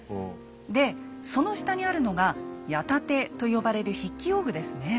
でその下にあるのが「矢立て」と呼ばれる筆記用具ですね。